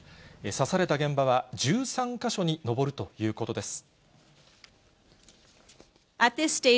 刺された現場は１３か所に上るということです。